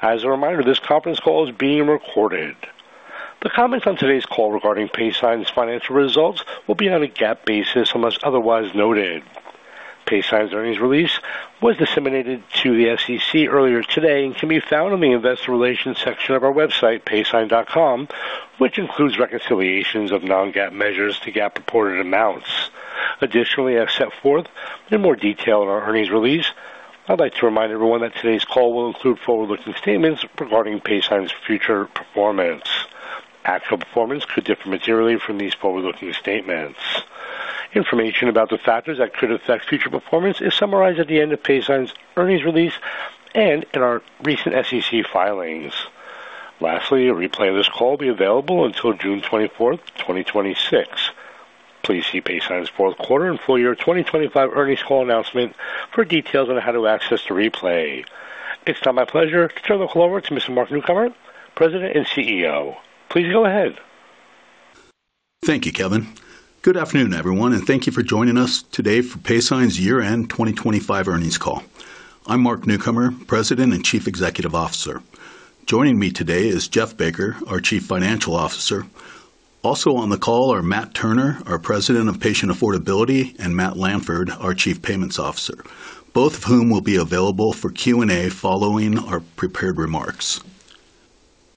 As a reminder, this conference call is being recorded. The comments on today's call regarding Paysign's financial results will be on a GAAP basis, unless otherwise noted. Paysign's earnings release was disseminated to the SEC earlier today and can be found on the investor relations section of our website, paysign.com, which includes reconciliations of non-GAAP measures to GAAP-reported amounts. Additionally, as set forth in more detail in our earnings release, I'd like to remind everyone that today's call will include forward-looking statements regarding Paysign's future performance. Actual performance could differ materially from these forward-looking statements. Information about the factors that could affect future performance is summarized at the end of Paysign's earnings release and in our recent SEC filings. Lastly, a replay of this call will be available until June 24th, 2026. Please see Paysign's fourth quarter and full year 2025 earnings call announcement for details on how to access the replay. It's now my pleasure to turn the call over to Mr. Mark Newcomer, President and CEO. Please go ahead. Thank you, Kevin. Good afternoon, everyone, and thank you for joining us today for Paysign's year-end 2025 earnings call. I'm Mark Newcomer, President and Chief Executive Officer. Joining me today is Jeff Baker, our Chief Financial Officer. Also on the call are Matt Turner, our President of Patient Affordability, and Matt Lanford, our Chief Payments Officer, both of whom will be available for Q&A following our prepared remarks.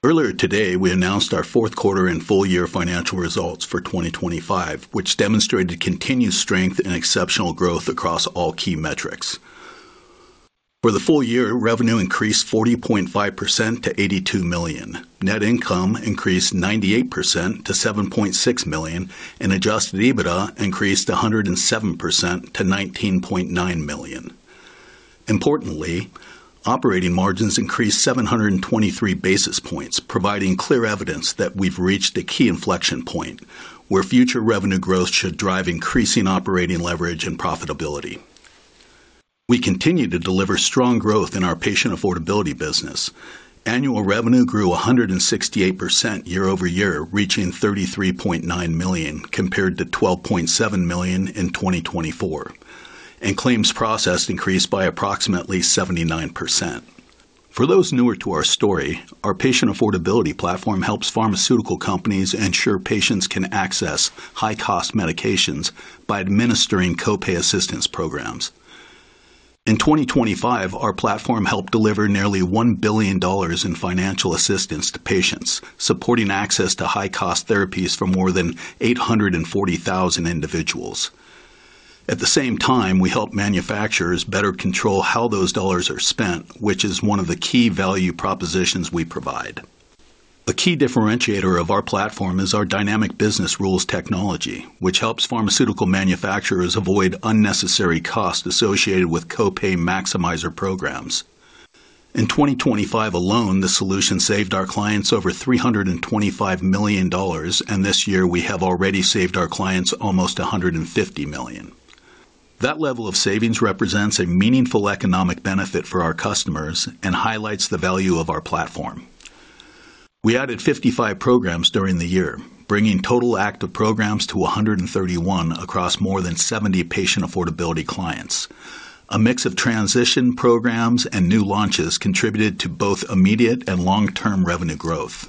Earlier today, we announced our fourth quarter and full year financial results for 2025, which demonstrated continued strength and exceptional growth across all key metrics. For the full year, revenue increased 40.5% to $82 million. Net income increased 98% to $7.6 million, and adjusted EBITDA increased 107% to $19.9 million. Importantly, operating margins increased 723 basis points, providing clear evidence that we've reached a key inflection point where future revenue growth should drive increasing operating leverage and profitability. We continue to deliver strong growth in our Patient Affordability business. Annual revenue grew 168% year-over-year, reaching $33.9 million compared to $12.7 million in 2024. Claims processed increased by approximately 79%. For those newer to our story, our patient affordability platform helps pharmaceutical companies ensure patients can access high-cost medications by administering co-pay assistance programs. In 2025, our platform helped deliver nearly $1 billion in financial assistance to patients, supporting access to high-cost therapies for more than 840,000 individuals. At the same time, we help manufacturers better control how those dollars are spent, which is one of the key value propositions we provide. A key differentiator of our platform is our dynamic business rules technology, which helps pharmaceutical manufacturers avoid unnecessary costs associated with co-pay maximizer programs. In 2025 alone, the solution saved our clients over $325 million, and this year we have already saved our clients almost $150 million. That level of savings represents a meaningful economic benefit for our customers and highlights the value of our platform. We added 55 programs during the year, bringing total active programs to 131 across more than 70 patient affordability clients. A mix of transition programs and new launches contributed to both immediate and long-term revenue growth.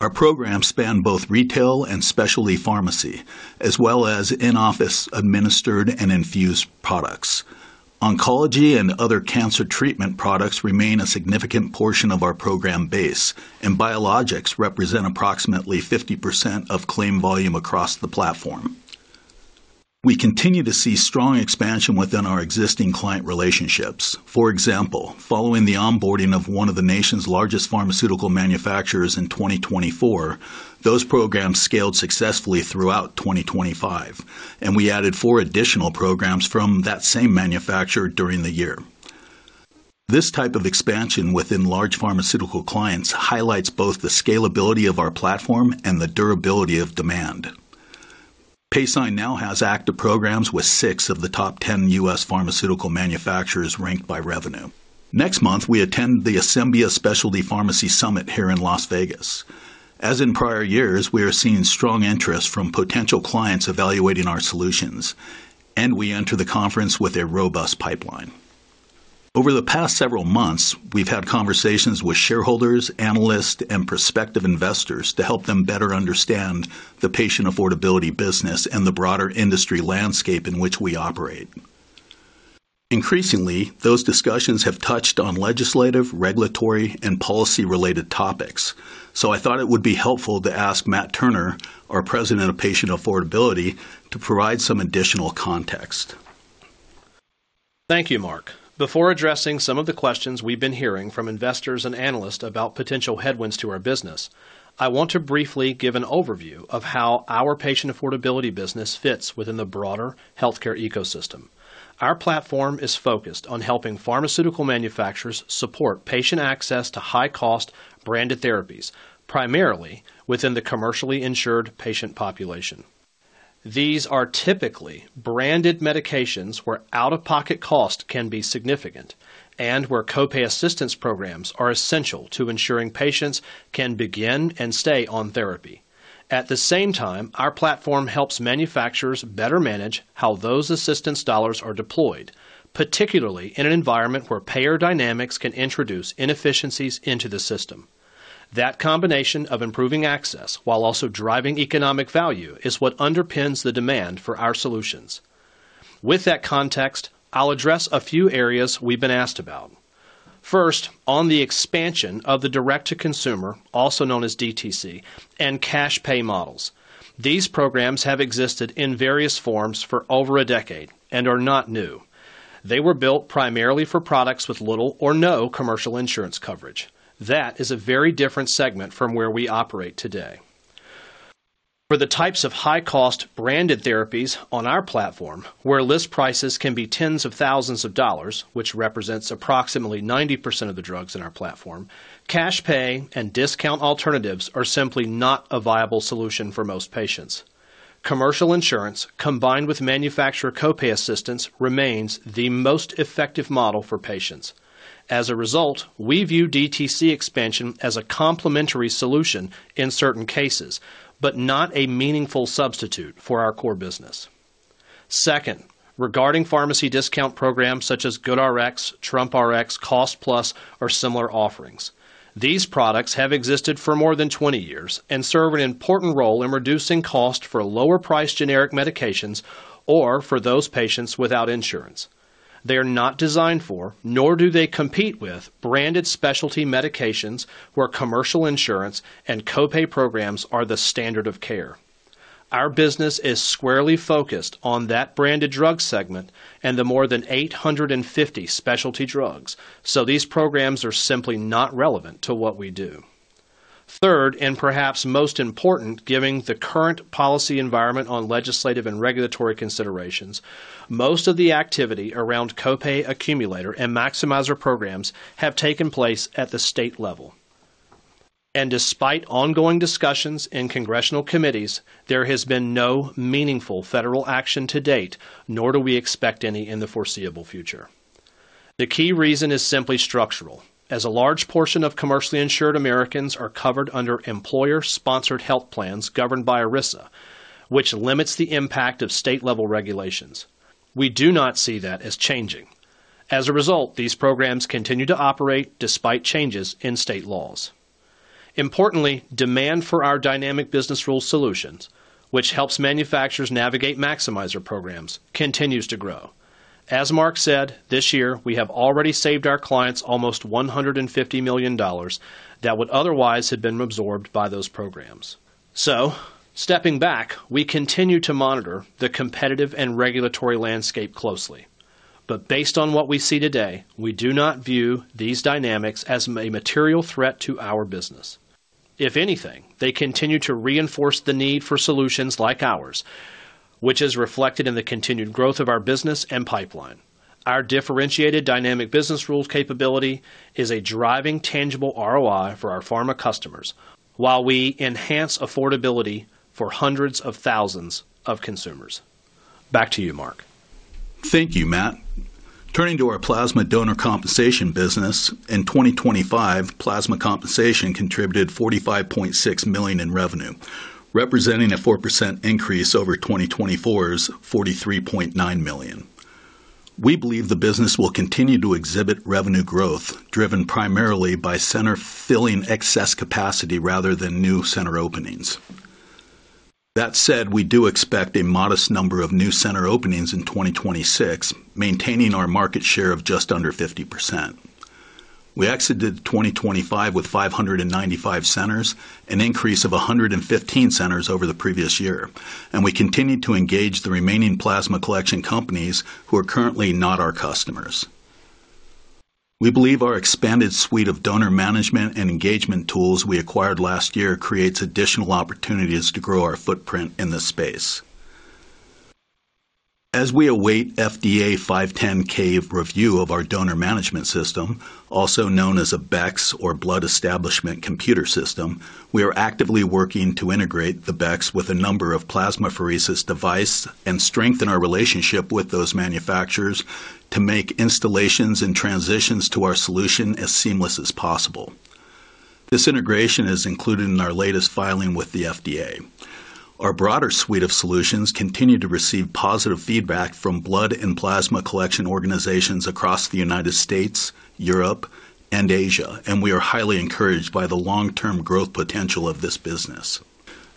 Our programs span both retail and specialty pharmacy, as well as in-office administered and infused products. Oncology and other cancer treatment products remain a significant portion of our program base, and biologics represent approximately 50% of claim volume across the platform. We continue to see strong expansion within our existing client relationships. For example, following the onboarding of one of the nation's largest pharmaceutical manufacturers in 2024, those programs scaled successfully throughout 2025, and we added four additional programs from that same manufacturer during the year. This type of expansion within large pharmaceutical clients highlights both the scalability of our platform and the durability of demand. Paysign now has active programs with six of the top 10 U.S. pharmaceutical manufacturers ranked by revenue. Next month, we attend the Asembia Specialty Pharmacy Summit here in Las Vegas. As in prior years, we are seeing strong interest from potential clients evaluating our solutions, and we enter the conference with a robust pipeline. Over the past several months, we've had conversations with shareholders, analysts, and prospective investors to help them better understand the Patient Affordability business and the broader industry landscape in which we operate. Increasingly, those discussions have touched on legislative, regulatory, and policy-related topics. I thought it would be helpful to ask Matt Turner, our President of Patient Affordability, to provide some additional context. Thank you, Mark. Before addressing some of the questions we've been hearing from investors and analysts about potential headwinds to our business, I want to briefly give an overview of how our Patient Affordability business fits within the broader healthcare ecosystem. Our platform is focused on helping pharmaceutical manufacturers support patient access to high-cost branded therapies, primarily within the commercially insured patient population. These are typically branded medications where out-of-pocket cost can be significant and where co-pay assistance programs are essential to ensuring patients can begin and stay on therapy. At the same time, our platform helps manufacturers better manage how those assistance dollars are deployed, particularly in an environment where payer dynamics can introduce inefficiencies into the system. That combination of improving access while also driving economic value is what underpins the demand for our solutions. With that context, I'll address a few areas we've been asked about. First, on the expansion of the direct-to-consumer, also known as DTC, and cash pay models. These programs have existed in various forms for over a decade and are not new. They were built primarily for products with little or no commercial insurance coverage. That is a very different segment from where we operate today. For the types of high-cost branded therapies on our platform, where list prices can be tens of thousands of dollars, which represents approximately 90% of the drugs in our platform, cash pay and discount alternatives are simply not a viable solution for most patients. Commercial insurance, combined with manufacturer co-pay assistance, remains the most effective model for patients. As a result, we view DTC expansion as a complementary solution in certain cases, but not a meaningful substitute for our core business. Second, regarding pharmacy discount programs such as GoodRx, TrumpRx, Cost Plus, or similar offerings. These products have existed for more than 20 years and serve an important role in reducing cost for lower-priced generic medications or for those patients without insurance. They are not designed for, nor do they compete with, branded specialty medications where commercial insurance and co-pay programs are the standard of care. Our business is squarely focused on that branded drug segment and the more than 850 specialty drugs, so these programs are simply not relevant to what we do. Third, and perhaps most important, given the current policy environment on legislative and regulatory considerations, most of the activity around co-pay accumulator and maximizer programs have taken place at the state level. Despite ongoing discussions in congressional committees, there has been no meaningful federal action to date, nor do we expect any in the foreseeable future. The key reason is simply structural. A large portion of commercially insured Americans are covered under employer-sponsored health plans governed by ERISA, which limits the impact of state-level regulations. We do not see that as changing. As a result, these programs continue to operate despite changes in state laws. Importantly, demand for our dynamic business rule solutions, which helps manufacturers navigate maximizer programs, continues to grow. As Mark said, this year, we have already saved our clients almost $150 million that would otherwise have been absorbed by those programs. Stepping back, we continue to monitor the competitive and regulatory landscape closely. Based on what we see today, we do not view these dynamics as a material threat to our business. If anything, they continue to reinforce the need for solutions like ours, which is reflected in the continued growth of our business and pipeline. Our differentiated dynamic business rules capability is a driving tangible ROI for our pharma customers while we enhance affordability for hundreds of thousands of consumers. Back to you, Mark. Thank you, Matt. Turning to our plasma donor compensation business. In 2025, plasma compensation contributed $45.6 million in revenue, representing a 4% increase over 2024's $43.9 million. We believe the business will continue to exhibit revenue growth, driven primarily by center filling excess capacity rather than new center openings. That said, we do expect a modest number of new center openings in 2026, maintaining our market share of just under 50%. We exited 2025 with 595 centers, an increase of 115 centers over the previous year, and we continue to engage the remaining plasma collection companies who are currently not our customers. We believe our expanded suite of donor management and engagement tools we acquired last year creates additional opportunities to grow our footprint in this space. As we await FDA 510(K) review of our donor management system, also known as a BECS or Blood Establishment Computer System, we are actively working to integrate the BECS with a number of plasmapheresis devices and strengthen our relationship with those manufacturers to make installations and transitions to our solution as seamless as possible. This integration is included in our latest filing with the FDA. Our broader suite of solutions continue to receive positive feedback from blood and plasma collection organizations across the United States, Europe, and Asia, and we are highly encouraged by the long-term growth potential of this business.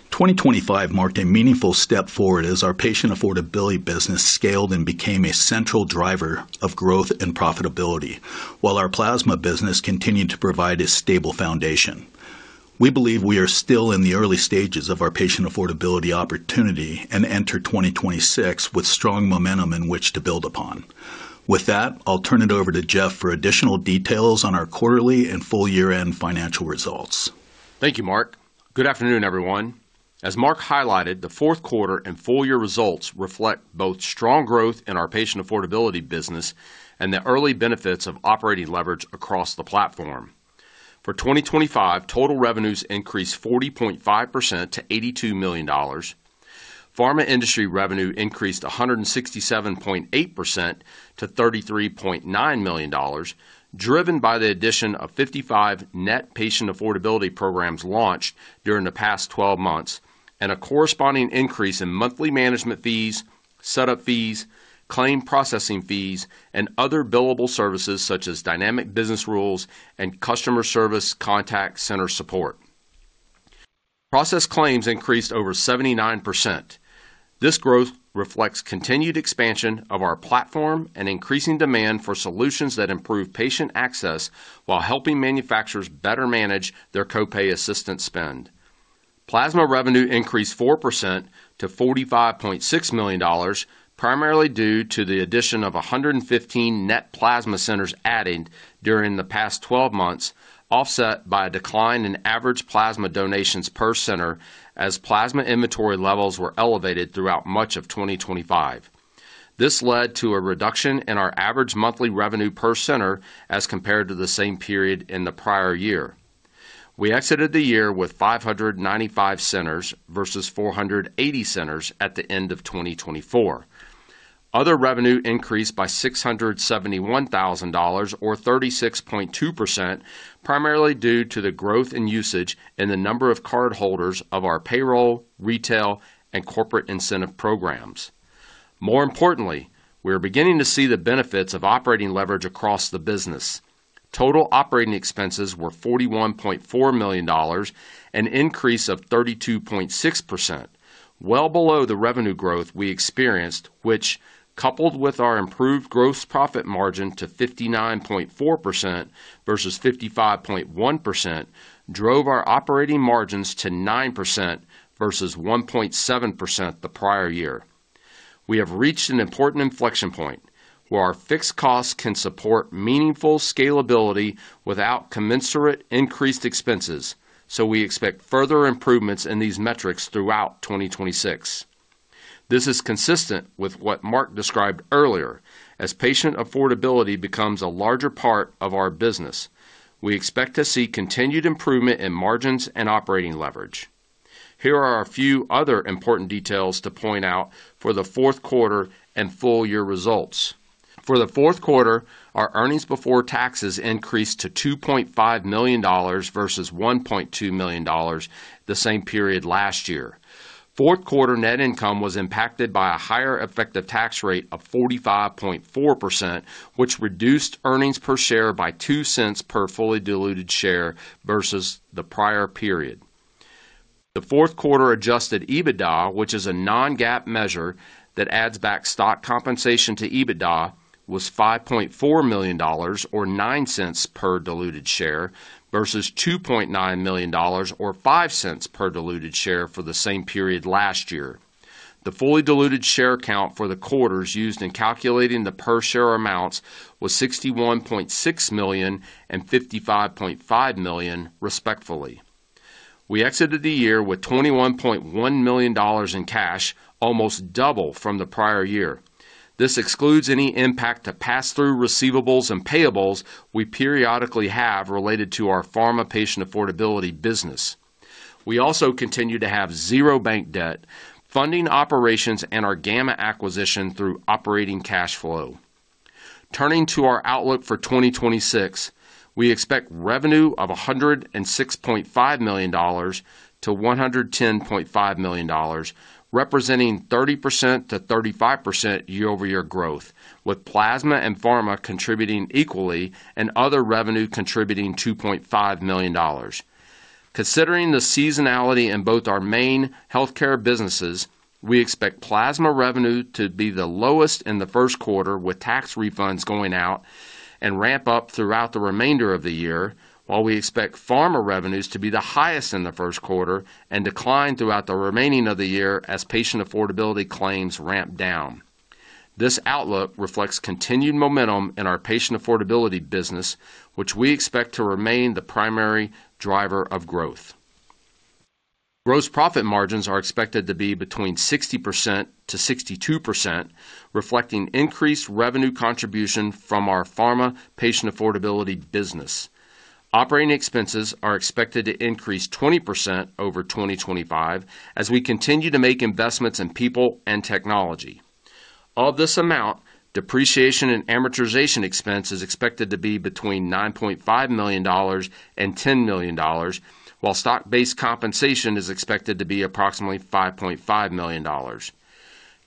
2025 marked a meaningful step forward as our Patient Affordability business scaled and became a central driver of growth and profitability, while our plasma business continued to provide a stable foundation. We believe we are still in the early stages of our patient affordability opportunity and enter 2026 with strong momentum in which to build upon. With that, I'll turn it over to Jeff for additional details on our quarterly and full year-end financial results. Thank you, Mark. Good afternoon, everyone. As Mark highlighted, the fourth quarter and full year results reflect both strong growth in our Patient Affordability business and the early benefits of operating leverage across the platform. For 2025, total revenues increased 40.5% to $82 million. Pharma industry revenue increased 167.8% to $33.9 million, driven by the addition of 55 net patient affordability programs launched during the past 12 months, and a corresponding increase in monthly management fees, setup fees, claim processing fees, and other billable services such as dynamic business rules and customer service contact center support. Processed claims increased over 79%. This growth reflects continued expansion of our platform and increasing demand for solutions that improve patient access while helping manufacturers better manage their co-pay assistance spend. Plasma revenue increased 4% to $45.6 million, primarily due to the addition of 115 net plasma centers added during the past 12 months, offset by a decline in average plasma donations per center as plasma inventory levels were elevated throughout much of 2025. This led to a reduction in our average monthly revenue per center as compared to the same period in the prior year. We exited the year with 595 centers versus 480 centers at the end of 2024. Other revenue increased by $671,000 or 36.2%, primarily due to the growth in usage in the number of cardholders of our payroll, retail, and corporate incentive programs. More importantly, we are beginning to see the benefits of operating leverage across the business. Total operating expenses were $41.4 million, an increase of 32.6%, well below the revenue growth we experienced, which coupled with our improved gross profit margin to 59.4% versus 55.1%, drove our operating margins to 9% versus 1.7% the prior year. We have reached an important inflection point where our fixed costs can support meaningful scalability without commensurate increased expenses, so we expect further improvements in these metrics throughout 2026. This is consistent with what Mark described earlier. As patient affordability becomes a larger part of our business, we expect to see continued improvement in margins and operating leverage. Here are a few other important details to point out for the fourth quarter and full year results. For the fourth quarter, our earnings before taxes increased to $2.5 million versus $1.2 million the same period last year. Fourth quarter net income was impacted by a higher effective tax rate of 45.4%, which reduced earnings per share by $0.02 per fully diluted share versus the prior period. The fourth quarter adjusted EBITDA, which is a non-GAAP measure that adds back stock-based compensation to EBITDA, was $5.4 million or $0.09 per diluted share, versus $2.9 million or $0.05 per diluted share for the same period last year. The fully diluted share count for the quarters used in calculating the per share amounts was 61.6 million and 55.5 million, respectively. We exited the year with $21.1 million in cash, almost double from the prior year. This excludes any impact to pass-through receivables and payables we periodically have related to our Pharma Patient Affordability business. We also continue to have zero bank debt, funding operations and our Gamma acquisition through operating cash flow. Turning to our outlook for 2026, we expect revenue of $106.5 million-$110.5 million, representing 30%-35% year-over-year growth, with plasma and pharma contributing equally and other revenue contributing $2.5 million. Considering the seasonality in both our main healthcare businesses, we expect plasma revenue to be the lowest in the first quarter, with tax refunds going out and ramp up throughout the remainder of the year. While we expect pharma revenues to be the highest in the first quarter and decline throughout the remainder of the year as patient affordability claims ramp down. This outlook reflects continued momentum in our Patient Affordability business, which we expect to remain the primary driver of growth. Gross profit margins are expected to be between 60%-62%, reflecting increased revenue contribution from our Pharma Patient Affordability business. Operating expenses are expected to increase 20% over 2025 as we continue to make investments in people and technology. Of this amount, depreciation and amortization expense is expected to be between $9.5 million-$10 million, while stock-based compensation is expected to be approximately $5.5 million.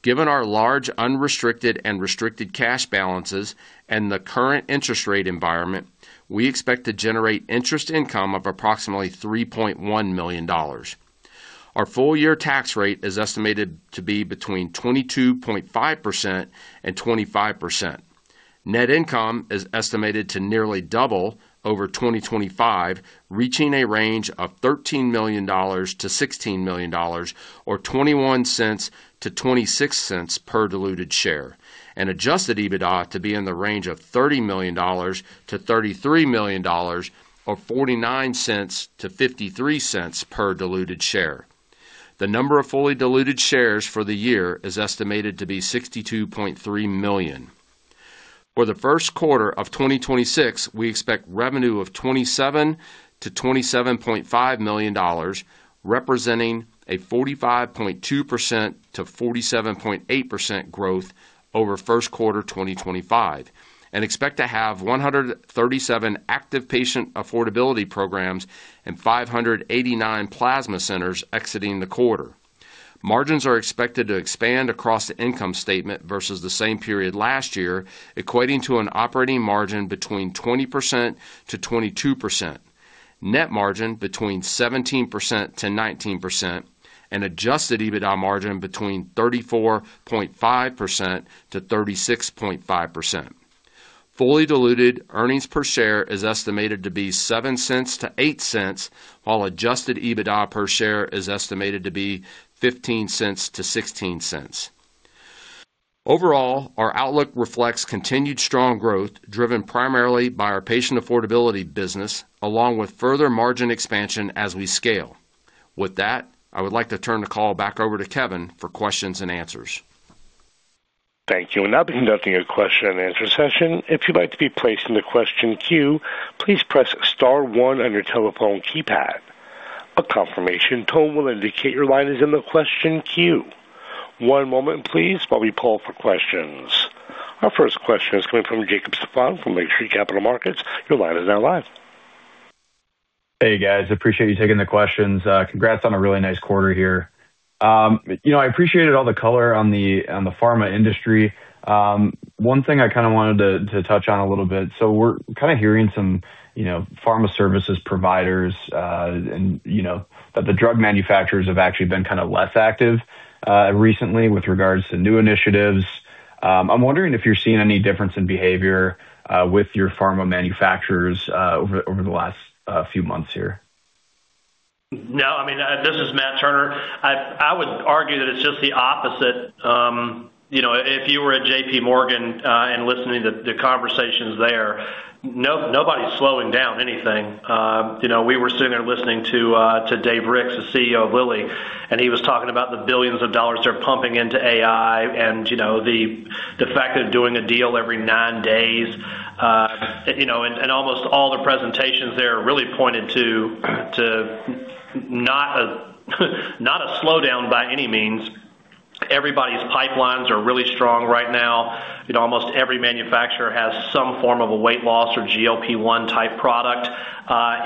Given our large, unrestricted, and restricted cash balances and the current interest rate environment, we expect to generate interest income of approximately $3.1 million. Our full year tax rate is estimated to be between 22.5%-25%. Net income is estimated to nearly double over 2025, reaching a range of $13 million-$16 million or $0.21-$0.26 per diluted share. Adjusted EBITDA to be in the range of $30 million-$33 million or $0.49-$0.53 per diluted share. The number of fully diluted shares for the year is estimated to be 62.3 million. For the first quarter of 2026, we expect revenue of $27 million-$27.5 million, representing 45.2%-47.8% growth over first quarter 2025, and expect to have 137 active patient affordability programs and 589 plasma centers exiting the quarter. Margins are expected to expand across the income statement versus the same period last year, equating to an operating margin between 20%-22%, net margin between 17%-19%, and adjusted EBITDA margin between 34.5%-36.5%. Fully diluted earnings per share is estimated to be $0.07-$0.08, while adjusted EBITDA per share is estimated to be $0.15-$0.16. Overall, our outlook reflects continued strong growth, driven primarily by our Patient Affordability business, along with further margin expansion as we scale. With that, I would like to turn the call back over to Kevin for questions and answers. Thank you. We'll now be conducting a question and answer session. If you'd like to be placed in the question queue, please press star one on your telephone keypad. A confirmation tone will indicate your line is in the question queue. One moment please while we poll for questions. Our first question is coming from Jacob Stephan from Lake Street Capital Markets. Your line is now live. Hey, guys, appreciate you taking the questions. Congrats on a really nice quarter here. You know, I appreciated all the color on the pharma industry. One thing I kind of wanted to touch on a little bit, so we're kind of hearing some, you know, pharma services providers, and you know, that the drug manufacturers have actually been kind of less active recently with regards to new initiatives. I'm wondering if you're seeing any difference in behavior with your pharma manufacturers over the last few months here. No, I mean, this is Matt Turner. I would argue that it's just the opposite. You know, if you were at JPMorgan and listening to the conversations there, nobody's slowing down anything. You know, we were sitting there listening to David Ricks, the CEO of Lilly, and he was talking about the billions of dollars they're pumping into AI, and you know, the fact they're doing a deal every nine days. You know, almost all the presentations there really pointed to not a slowdown by any means. Everybody's pipelines are really strong right now. You know, almost every manufacturer has some form of a weight loss or GLP-1 type product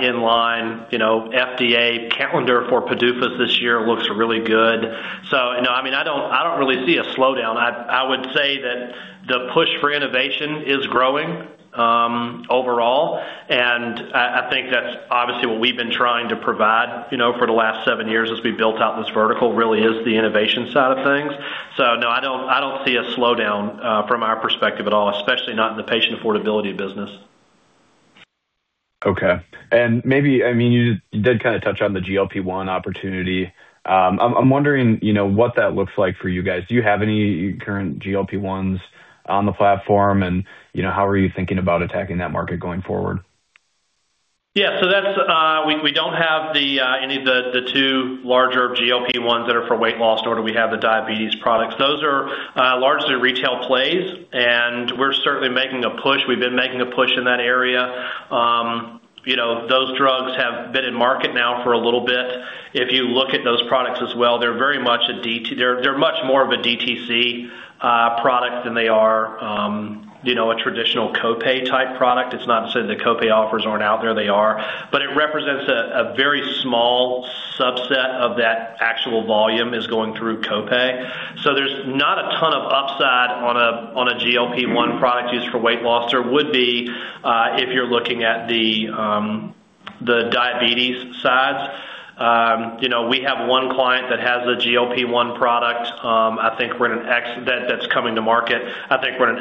in line. You know, FDA calendar for PDUFAs this year looks really good. You know, I mean, I don't really see a slowdown. I would say that the push for innovation is growing overall, and I think that's obviously what we've been trying to provide, you know, for the last seven years as we built out this vertical, really is the innovation side of things. No, I don't see a slowdown from our perspective at all, especially not in the Patient Affordability business. Okay. Maybe, I mean, you did kind of touch on the GLP-1 opportunity. I'm wondering, you know, what that looks like for you guys. Do you have any current GLP-1s on the platform? You know, how are you thinking about attacking that market going forward? Yeah. That's we don't have any of the two larger GLP-1s that are for weight loss, nor do we have the diabetes products. Those are largely retail plays, and we're certainly making a push. We've been making a push in that area. You know, those drugs have been in market now for a little bit. If you look at those products as well, they're very much a DTC product than they are a traditional co-pay type product. It's not to say the co-pay offers aren't out there, they are, but it represents a very small subset of that actual volume is going through co-pay. There's not a ton of upside on a GLP-1 product used for weight loss. There would be, if you're looking at the diabetes sides. You know, we have one client that has a GLP-1 product. I think we're in an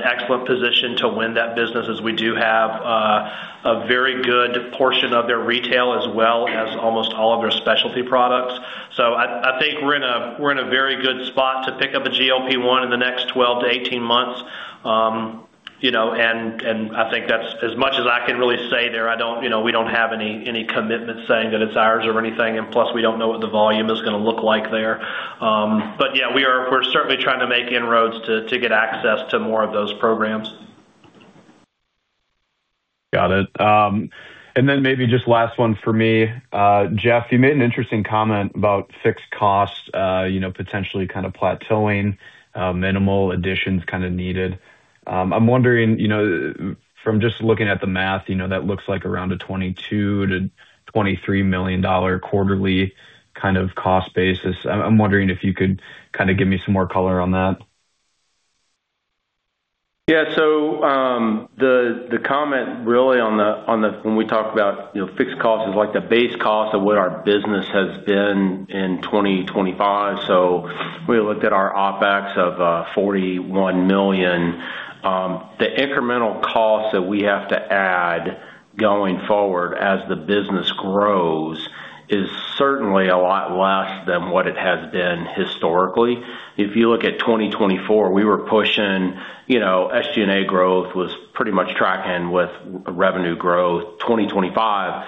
excellent position to win that business, as we do have a very good portion of their retail as well as almost all of their specialty products. I think we're in a very good spot to pick up a GLP-1 in the next 12-18 months. You know, I think that's as much as I can really say there. I don't, you know, we don't have any commitment saying that it's ours or anything, and plus, we don't know what the volume is gonna look like there. Yeah, we're certainly trying to make inroads to get access to more of those programs. Got it. Maybe just last one for me. Jeff, you made an interesting comment about fixed costs, you know, potentially kind of plateauing, minimal additions kind of needed. I'm wondering, you know, from just looking at the math, you know, that looks like around a $22 million-$23 million quarterly kind of cost basis. I'm wondering if you could kind of give me some more color on that? Yeah. The comment really, when we talk about, you know, fixed costs, is like the base cost of what our business has been in 2025. We looked at our OpEx of $41 million. The incremental cost that we have to add going forward as the business grows is certainly a lot less than what it has been historically. If you look at 2024, we were pushing, you know, SG&A growth was pretty much tracking with revenue growth. 2025,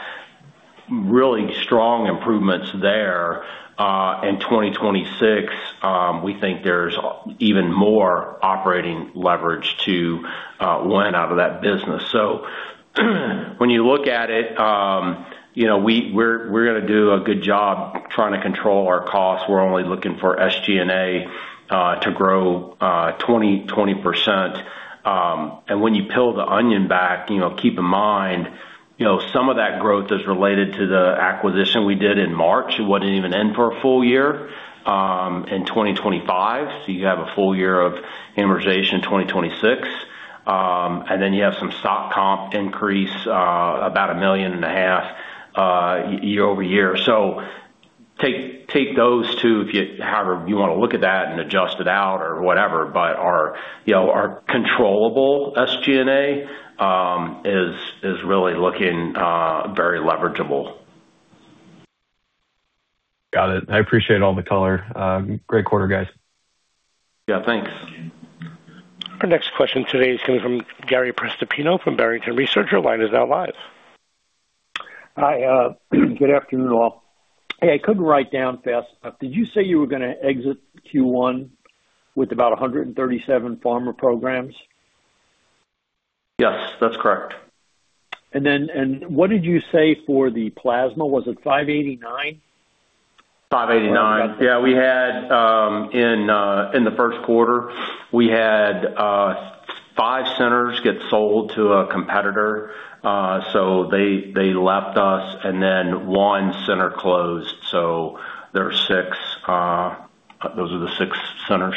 really strong improvements there. In 2026, we think there's even more operating leverage to lend out of that business. When you look at it, you know, we're gonna do a good job trying to control our costs. We're only looking for SG&A to grow 20%. When you peel the onion back, you know, keep in mind. You know, some of that growth is related to the acquisition we did in March. It wasn't even in for a full year in 2025. So you have a full year of amortization in 2026. And then you have some stock comp increase about $1.5 million year-over-year. So take those two however you wanna look at that and adjust it out or whatever. But our, you know, our controllable SG&A is really looking very leverageable. Got it. I appreciate all the color. Great quarter, guys. Yeah, thanks. Our next question today is coming from Gary Prestopino from Barrington Research. Your line is now live. Hi, good afternoon, all. Hey, I couldn't write down fast enough. Did you say you were gonna exit Q1 with about 137 pharma programs? Yes, that's correct. What did you say for the plasma? Was it 589? 589. Yeah, we had in the first quarter we had five centers get sold to a competitor. They left us, and then one center closed. There are six. Those are the six centers.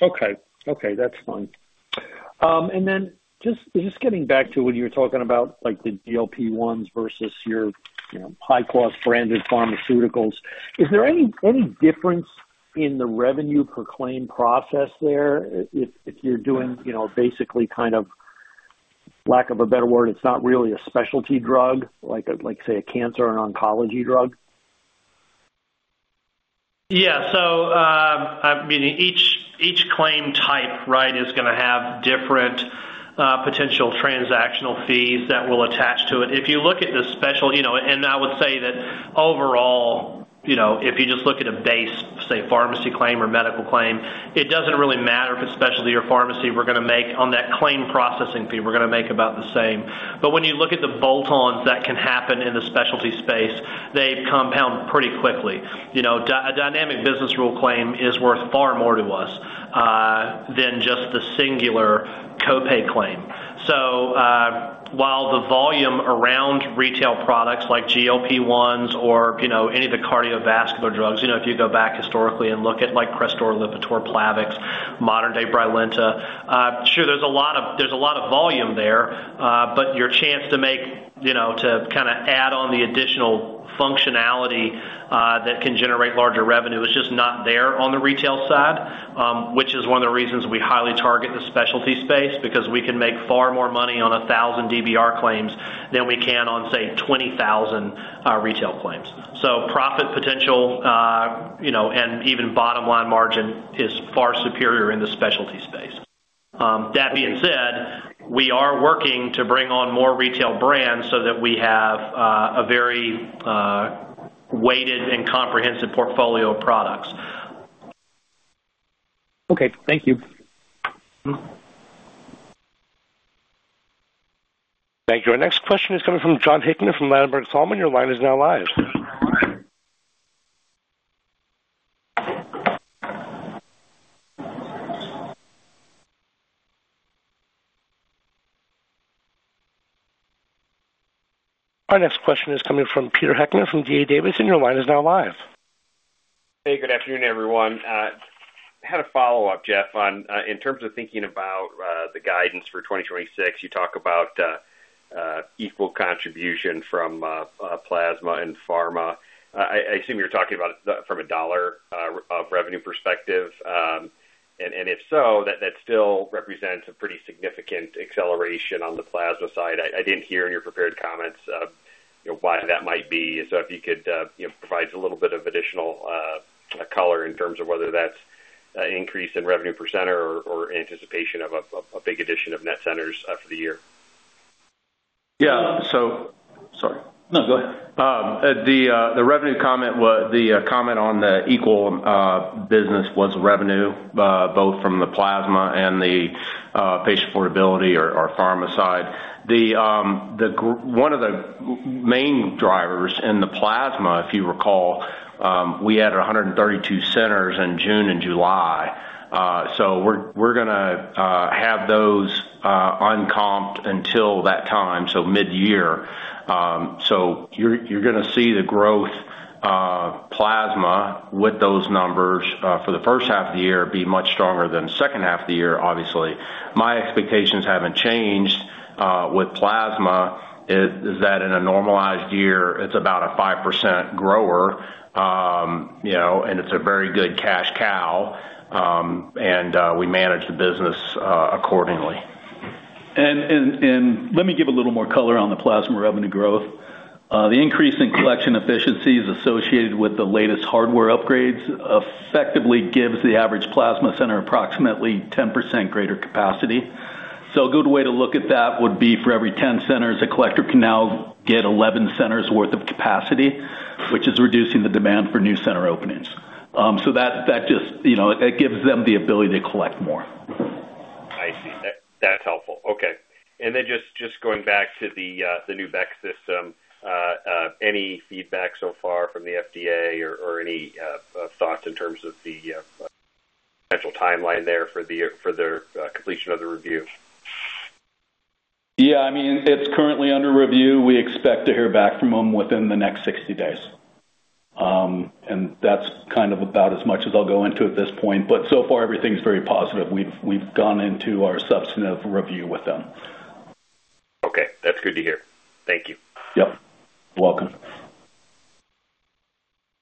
Okay. Okay, that's fine. Just getting back to when you were talking about like the GLP-1s versus your, you know, high-cost branded pharmaceuticals, is there any difference in the revenue per claim process there if you're doing, you know, basically kind of, lack of a better word, it's not really a specialty drug, like a, say, a cancer and oncology drug? Yeah. I mean, each claim type, right, is gonna have different potential transactional fees that will attach to it. If you look at the specialty, you know, and I would say that overall, you know, if you just look at a base, say, pharmacy claim or medical claim, it doesn't really matter if it's specialty or pharmacy. We're gonna make on that claim processing fee about the same. When you look at the bolt-ons that can happen in the specialty space, they compound pretty quickly. You know, a dynamic business rule claim is worth far more to us than just the singular co-pay claim. While the volume around retail products like GLP-1s or, you know, any of the cardiovascular drugs, you know, if you go back historically and look at like Crestor, Lipitor, Plavix, modern-day Brilinta, sure, there's a lot of volume there, but your chance to make, you know, to kinda add on the additional functionality, that can generate larger revenue is just not there on the retail side, which is one of the reasons we highly target the specialty space, because we can make far more money on 1,000 DBR claims than we can on, say, 20,000 retail claims. Profit potential, you know, and even bottom line margin is far superior in the specialty space. That being said, we are working to bring on more retail brands so that we have a very weighted and comprehensive portfolio of products. Okay. Thank you. Thank you. Our next question is coming from Jon Hickman from Ladenburg Thalmann. Your line is now live. Our next question is coming from Peter Heckmann from D.A. Davidson. Your line is now live. Hey, good afternoon, everyone. I had a follow-up, Jeff, on, in terms of thinking about the guidance for 2026. You talk about equal contribution from plasma and pharma. I assume you're talking about it from a dollar revenue perspective. If so, that still represents a pretty significant acceleration on the plasma side. I didn't hear in your prepared comments, you know, why that might be. If you could provide a little bit of additional color in terms of whether that's an increase in revenue per center or anticipation of a big addition of net centers for the year. Yeah. Sorry. No, go ahead. The revenue comment was the comment on the whole business was revenue both from the plasma and the patient affordability or pharma side. One of the main drivers in the plasma, if you recall, we had 132 centers in June and July. So we're gonna have those uncomped until that time, so midyear. So you're gonna see the growth of plasma with those numbers for the first half of the year be much stronger than the second half of the year, obviously. My expectations haven't changed with plasma is that in a normalized year it's about a 5% grower, you know, and it's a very good cash cow, and we manage the business accordingly. Let me give a little more color on the plasma revenue growth. The increase in collection efficiencies associated with the latest hardware upgrades effectively gives the average plasma center approximately 10% greater capacity. A good way to look at that would be for every 10 centers, a collector can now get 11 centers worth of capacity, which is reducing the demand for new center openings. That just, you know, it gives them the ability to collect more. I see. That's helpful. Okay. Just going back to the new BECS system, any feedback so far from the FDA or any thoughts in terms of the potential timeline there for the year for their completion of the review? Yeah, I mean, it's currently under review. We expect to hear back from them within the next 60 days. That's kind of about as much as I'll go into at this point, but so far, everything's very positive. We've gone into our substantive review with them. Okay, that's good to hear. Thank you. Yep. Welcome.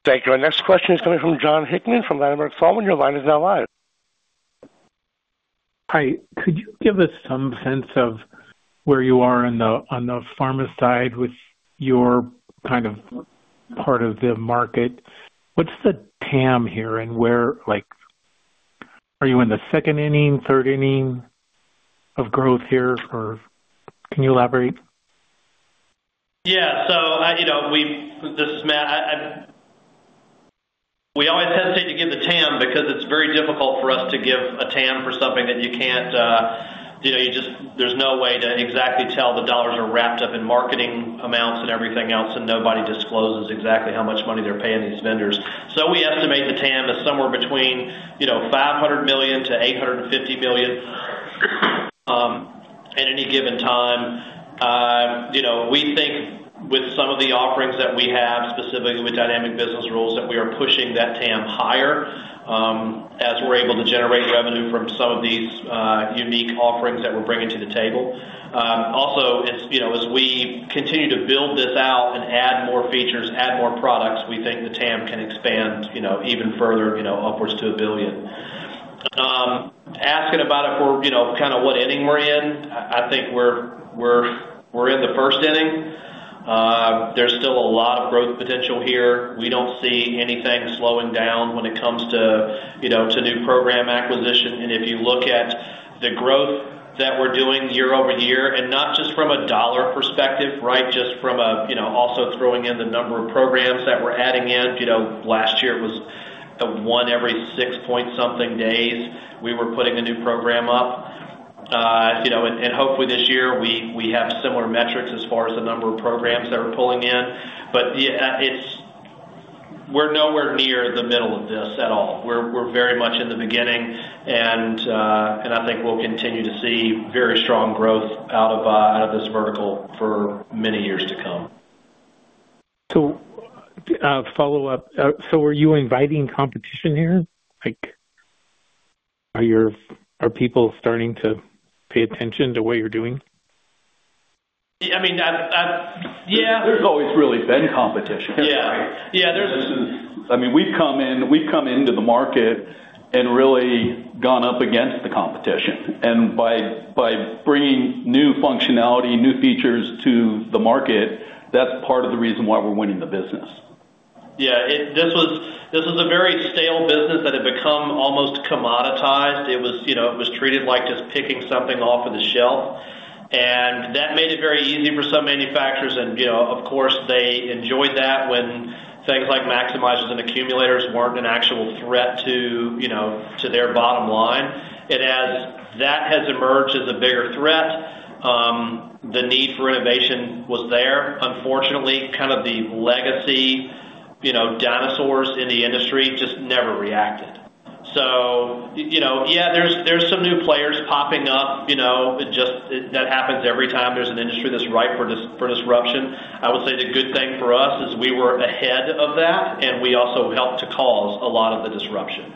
Thank you. Our next question is coming from Jon Hickman from Ladenburg Thalmann. Your line is now live. Hi. Could you give us some sense of where you are on the pharma side with your kind of part of the market? What's the TAM here and where like are you in the second inning, third inning of growth here or can you elaborate? We always hesitate to give the TAM because it's very difficult for us to give a TAM for something that you can't, you know, there's no way to exactly tell. The dollars are wrapped up in marketing amounts and everything else, and nobody discloses exactly how much money they're paying these vendors. We estimate the TAM is somewhere between, you know, $500 million-$850 million at any given time. You know, we think with some of the offerings that we have, specifically with dynamic business rules, that we are pushing that TAM higher, as we're able to generate revenue from some of these unique offerings that we're bringing to the table. Also, as you know, as we continue to build this out and add more features, add more products, we think the TAM can expand, you know, even further, you know, upwards to a billion. Asking about if we're, you know, kind of what inning we're in. I think we're in the first inning. There's still a lot of growth potential here. We don't see anything slowing down when it comes to, you know, to new program acquisition. If you look at the growth that we're doing year-over-year, and not just from a dollar perspective, right? Just from a, you know, also throwing in the number of programs that we're adding in. You know, last year it was one every six-point-something days, we were putting a new program up. You know, hopefully this year we have similar metrics as far as the number of programs that we're pulling in. Yeah, we're nowhere near the middle of this at all. We're very much in the beginning and I think we'll continue to see very strong growth out of this vertical for many years to come. To follow up. So are you inviting competition here? Like, are people starting to pay attention to what you're doing? I mean, that. Yeah. There's always really been competition. Yeah. Right? Yeah. I mean, we've come into the market and really gone up against the competition. By bringing new functionality, new features to the market, that's part of the reason why we're winning the business. Yeah, this was a very stale business that had become almost commoditized. It was, you know, treated like just picking something off of the shelf. That made it very easy for some manufacturers and, you know, of course, they enjoyed that when things like maximizers and accumulators weren't an actual threat to, you know, to their bottom line. As that has emerged as a bigger threat, the need for innovation was there. Unfortunately, kind of the legacy, you know, dinosaurs in the industry just never reacted. You know, yeah, there's some new players popping up, you know. That happens every time there's an industry that's ripe for disruption. I would say the good thing for us is we were ahead of that, and we also helped to cause a lot of the disruption.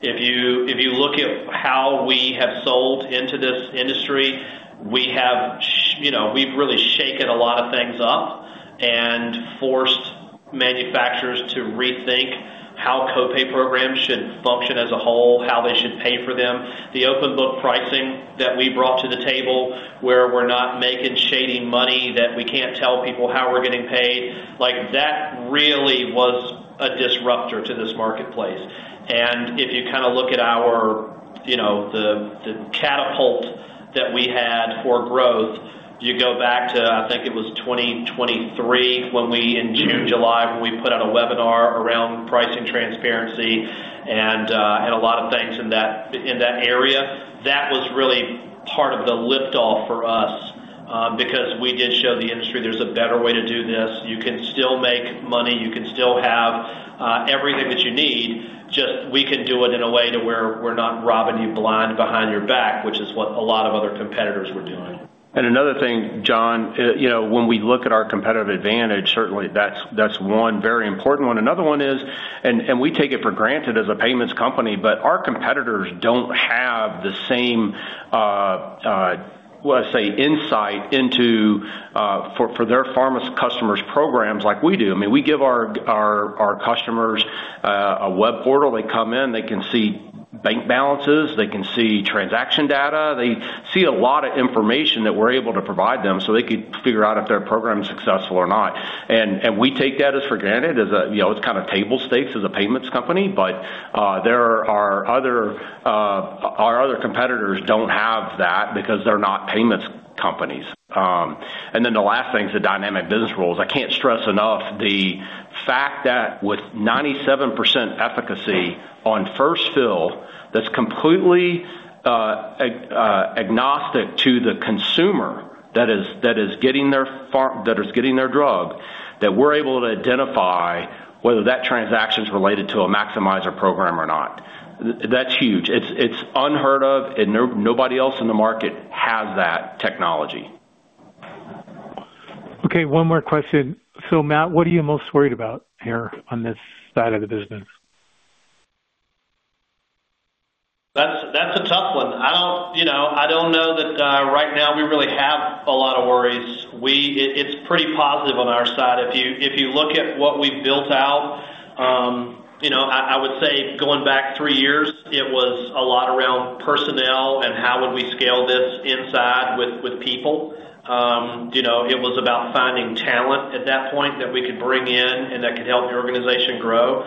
If you look at how we have sold into this industry, you know, we've really shaken a lot of things up and forced manufacturers to rethink how co-pay programs should function as a whole, how they should pay for them. The open book pricing that we brought to the table, where we're not making shady money, that we can't tell people how we're getting paid, like, that really was a disruptor to this marketplace. If you kinda look at our, you know, the catapult that we had for growth, you go back to, I think it was 2023 when we, in June, July, when we put out a webinar around pricing transparency and a lot of things in that area, that was really part of the lift off for us, because we did show the industry there's a better way to do this. You can still make money, you can still have everything that you need, just we can do it in a way to where we're not robbing you blind behind your back, which is what a lot of other competitors were doing. Another thing, Jon, you know, when we look at our competitive advantage, certainly that's one very important one. Another one is, we take it for granted as a payments company, but our competitors don't have the same, let's say, insight into, for their pharma customers' programs like we do. I mean, we give our customers a web portal. They come in, they can see bank balances, they can see transaction data. They see a lot of information that we're able to provide them, so they could figure out if their program is successful or not. We take that for granted as, you know, it's kind of table stakes as a payments company, but our other competitors don't have that because they're not payments companies. The last thing is the dynamic business rules. I can't stress enough the fact that with 97% efficacy on first fill, that's completely agnostic to the consumer that is getting their drug. That we're able to identify whether that transaction is related to a maximizer program or not. That's huge. It's unheard of, and nobody else in the market has that technology. Okay, one more question. Matt, what are you most worried about here on this side of the business? That's a tough one. I don't, you know, I don't know that right now we really have a lot of worries. It's pretty positive on our side. If you look at what we've built out, I would say going back three years, it was a lot around personnel and how would we scale this inside with people. It was about finding talent at that point that we could bring in and that could help the organization grow.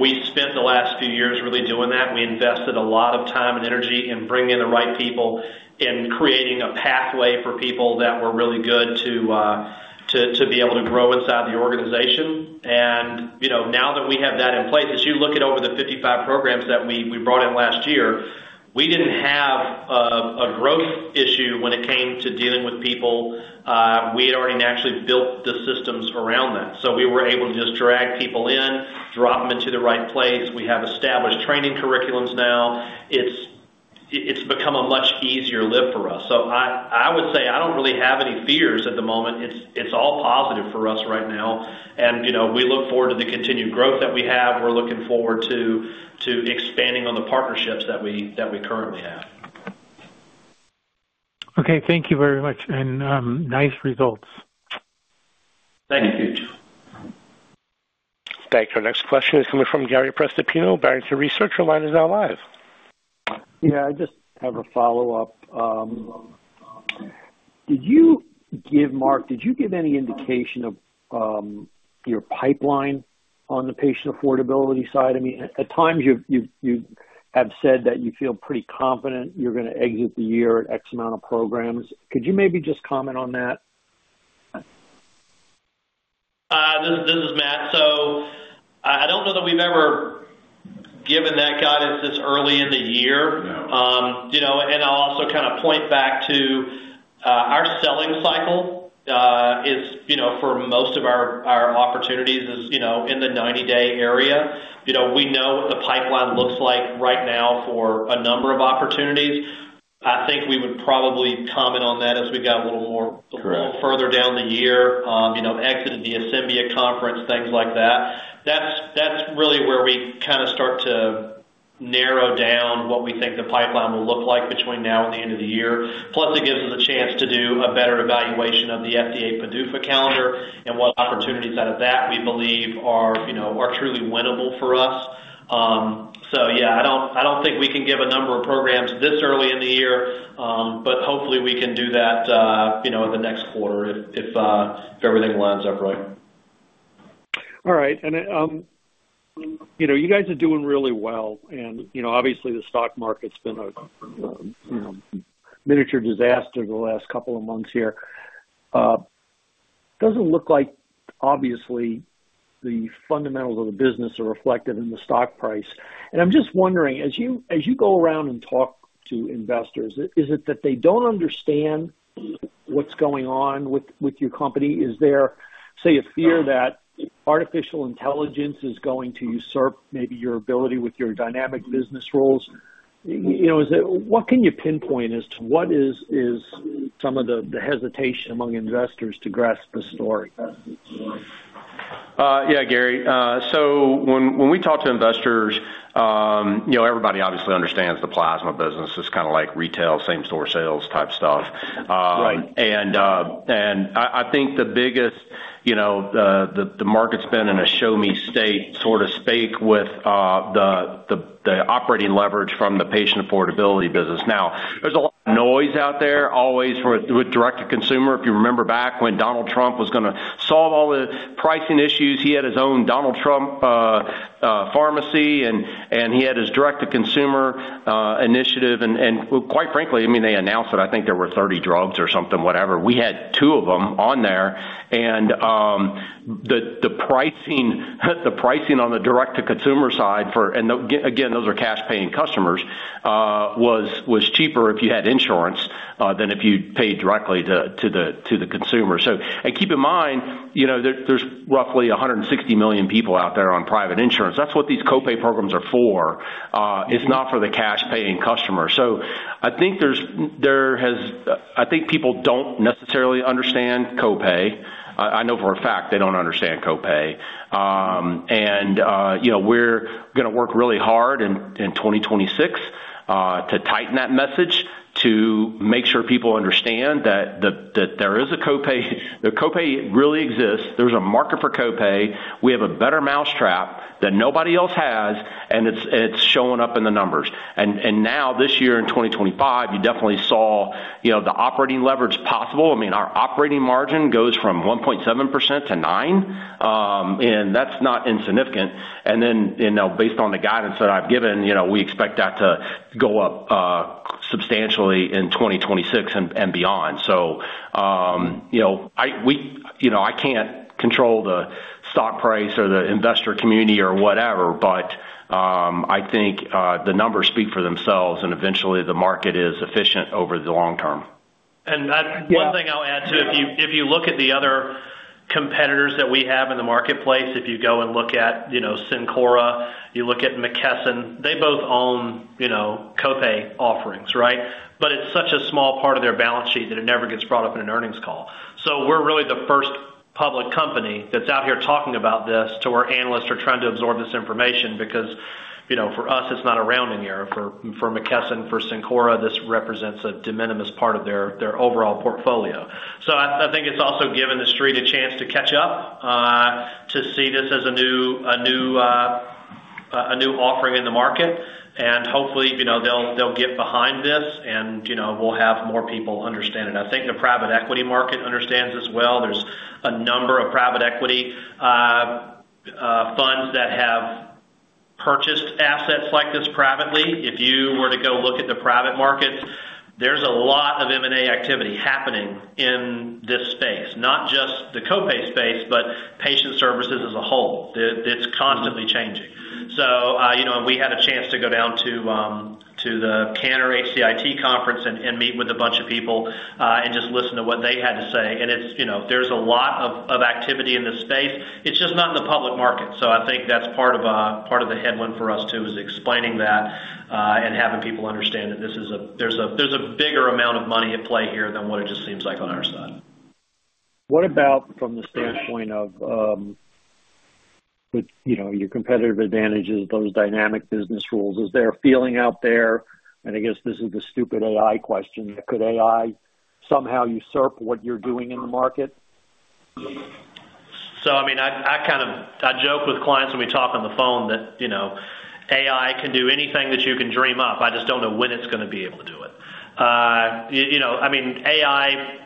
We spent the last few years really doing that. We invested a lot of time and energy in bringing the right people, in creating a pathway for people that were really good to be able to grow inside the organization. You know, now that we have that in place, as you look at over the 55 programs that we brought in last year, we didn't have a growth issue when it came to dealing with people. We had already actually built the systems around that. We were able to just drag people in, drop them into the right place. We have established training curriculums now. It's become a much easier lift for us. I would say I don't really have any fears at the moment. It's all positive for us right now. You know, we look forward to the continued growth that we have. We're looking forward to expanding on the partnerships that we currently have. Okay, thank you very much. Nice results. Thank you. Thank you. Thank you. Our next question is coming from Gary Prestopino, Barrington Research. Your line is now live. Yeah, I just have a follow-up. Mark, did you give any indication of your pipeline on the patient affordability side? I mean, at times you have said that you feel pretty confident you're gonna exit the year at X amount of programs. Could you maybe just comment on that? This is Matt. I don't know that we've ever given that guidance this early in the year. No. You know, I'll also kinda point back to our selling cycle, which is, you know, for most of our opportunities, you know, in the 90-day area. You know, we know what the pipeline looks like right now for a number of opportunities. I think we would probably comment on that as we got a little more Correct. A little further down the year, you know, after the Asembia conference, things like that. That's really where we kinda start to narrow down what we think the pipeline will look like between now and the end of the year. Plus, it gives us a chance to do a better evaluation of the FDA PDUFA calendar and what opportunities out of that we believe are, you know, are truly winnable for us. Yeah, I don't think we can give a number of programs this early in the year, but hopefully we can do that, you know, in the next quarter if everything lines up right. All right. You know, you guys are doing really well and, you know, obviously the stock market's been a you know, miniature disaster the last couple of months here. Doesn't look like, obviously, the fundamentals of the business are reflected in the stock price. I'm just wondering, as you go around and talk to investors, is it that they don't understand what's going on with your company? Is there, say, a fear that artificial intelligence is going to usurp maybe your ability with your dynamic business rules? You know, is it? What can you pinpoint as to what is some of the hesitation among investors to grasp the story? Yeah, Gary. When we talk to investors, you know. Everybody obviously understands the plasma business is kinda like retail, same store sales type stuff. Right. I think the biggest, you know, the market's been in a show-me state, sort of speak, with the operating leverage from the Patient Affordability business. Now, there's a lot of noise out there always with direct to consumer. If you remember back when Donald Trump was gonna solve all the pricing issues, he had his own Donald Trump pharmacy, and he had his direct-to-consumer initiative. Quite frankly, I mean, they announced that I think there were 30 drugs or something, whatever. We had two of them on there. The pricing on the direct to consumer side for those cash paying customers was cheaper if you had insurance than if you paid directly to the consumer. Keep in mind, there's roughly 160 million people out there on private insurance. That's what these co-pay programs are for. It's not for the cash paying customer. I think people don't necessarily understand co-pay. I know for a fact they don't understand co-pay. We're gonna work really hard in 2026 to tighten that message, to make sure people understand that there is a co-pay. The co-pay really exists. There's a market for co-pay. We have a better mousetrap that nobody else has, and it's showing up in the numbers. Now this year in 2025, you definitely saw the operating leverage possible. I mean, our operating margin goes from 1.7%-9%, and that's not insignificant. Then, you know, based on the guidance that I've given, you know, we expect that to go up substantially in 2026 and beyond. You know, I can't control the stock price or the investor community or whatever, but I think the numbers speak for themselves, and eventually the market is efficient over the long term. One thing I'll add, too, if you look at the other competitors that we have in the marketplace, if you go and look at, you know, Syncora, you look at McKesson, they both own, you know, co-pay offerings, right? It's such a small part of their balance sheet that it never gets brought up in an earnings call. We're really the first public company that's out here talking about this to our analysts who are trying to absorb this information because, you know, for us, it's not a rounding error. For McKesson, for Syncora, this represents a de minimis part of their overall portfolio. I think it's also given the street a chance to catch up to see this as a new offering in the market. Hopefully, you know, they'll get behind this and, you know, we'll have more people understand it. I think the private equity market understands as well. There's a number of private equity funds that have purchased assets like this privately. If you were to go look at the private markets, there's a lot of M&A activity happening in this space, not just the co-pay space, but patient services as a whole. It's constantly changing. So, you know, we had a chance to go down to the Cantor HCIT conference and meet with a bunch of people and just listen to what they had to say. It's, you know, there's a lot of activity in this space. It's just not in the public market. I think that's part of the headwind for us too, is explaining that, and having people understand that there's a bigger amount of money at play here than what it just seems like on our side. What about from the standpoint of, you know, your competitive advantages, those dynamic business rules. Is there a feeling out there, and I guess this is the stupid AI question, could AI somehow usurp what you're doing in the market? I mean, I joke with clients when we talk on the phone that, you know, AI can do anything that you can dream up. I just don't know when it's gonna be able to do it. You know, I mean, AI,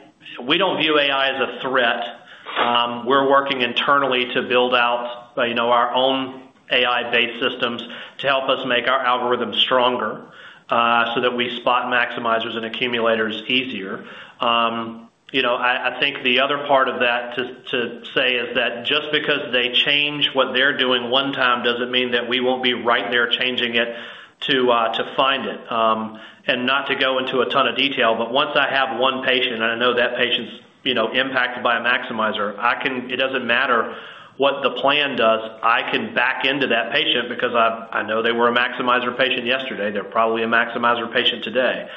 we don't view AI as a threat. We're working internally to build out, you know, our own AI-based systems to help us make our algorithms stronger, so that we spot maximizers and accumulators easier. You know, I think the other part of that to say is that just because they change what they're doing one time, doesn't mean that we won't be right there changing it to find it. Not to go into a ton of detail, but once I have one patient and I know that patient's, you know, impacted by a maximizer, it doesn't matter what the plan does, I can back into that patient because I know they were a maximizer patient yesterday. They're probably a maximizer patient today.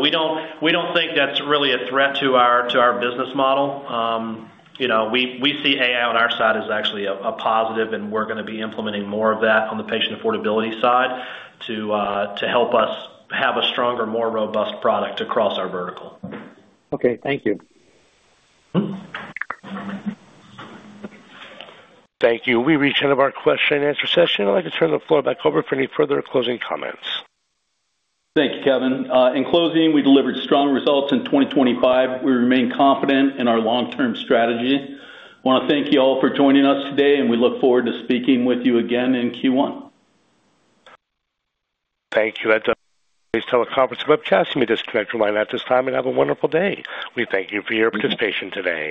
We don't think that's really a threat to our business model. You know, we see AI on our side as actually a positive, and we're gonna be implementing more of that on the patient affordability side to help us have a stronger, more robust product across our vertical. Okay, thank you. Thank you. We've reached the end of our question and answer session. I'd like to turn the floor back over for any further closing comments. Thank you, Kevin. In closing, we delivered strong results in 2025. We remain confident in our long-term strategy. Wanna thank you all for joining us today, and we look forward to speaking with you again in Q1. Thank you. That's a wrap on today's teleconference webcast. You may disconnect your line at this time and have a wonderful day. We thank you for your participation today.